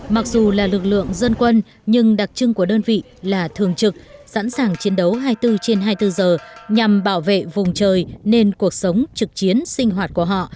mặc dù là lực lượng dân quân nhưng đặc trưng của đơn vị là thường trực sẵn sàng chiến đấu hai mươi bốn trên hai mươi bốn giờ nhằm bảo vệ vùng trời nên cuộc sống trực chiến sinh hoạt của họ